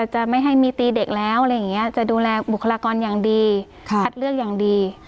จะไม่ให้มีตีเด็กแล้วอะไรอย่างนี้จะดูแลบุคลากรอย่างดีคัดเลือกอย่างดี